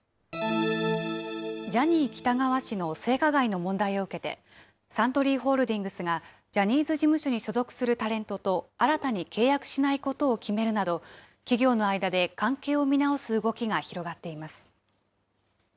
ジャニー喜多川氏の性加害の問題を受けて、サントリーホールディングスが、ジャニーズ事務所に所属するタレントと新たに契約しないことを決めるなど、企業の間で関係を見直す動きが広がっています。